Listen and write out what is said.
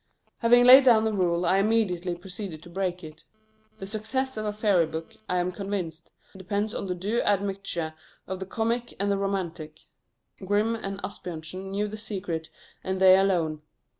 Having laid down the rule, I immediately proceeded to break it. The success of a fairy book, I am convinced, depends on the due admixture of the comic and the romantic: Grimm and Asbjörnsen knew the secret, and they alone.